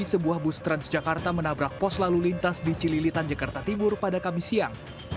sebuah bus transjakarta menabrak pos lalu lintas di cililitan jakarta timur pada kamis siang